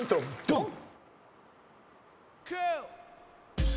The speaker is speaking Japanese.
ドン！